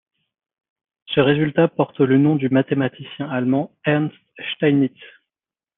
Ce résultat porte le nom du mathématicien allemand Ernst Steinitz.